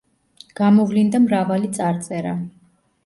გამოვლინდა მრავალი წარწერა.